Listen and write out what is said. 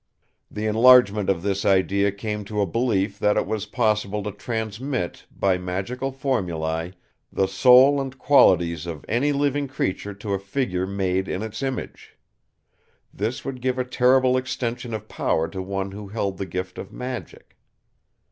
The enlargement of this idea came to a belief that it was possible to transmit, by magical formulae, the soul and qualities of any living creature to a figure made in its image. This would give a terrible extension of power to one who held the gift of magic.